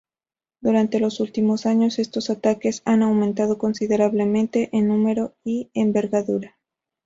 Durante los últimos años estos ataques han aumentado considerablemente en número y envergadura.